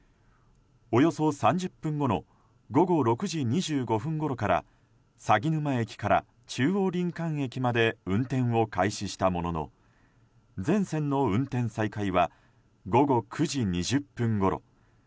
およそ３０分後の午後６時２５分ごろから鷺沼駅から中央林間駅まで運転を開始したものの全線の運転再開は午後９時２０分ごろ。